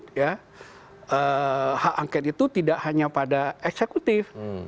hak hak angket itu tidak hanya pada eksekutif